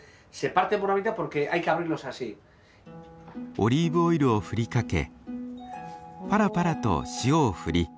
オリーブオイルを振りかけぱらぱらと塩を振り